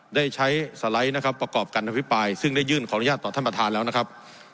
ได้ใช้สไลด์นะครับประกอบการอภิปรายซึ่งได้ยื่นขออนุญาตต่อท่านประธานแล้วนะครับ